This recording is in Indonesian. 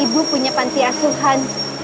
ibu punya panti asuhan